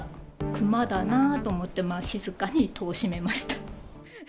熊だなと思って、静かに戸を閉めました。